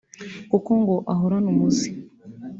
kuko ngo ahorana umuze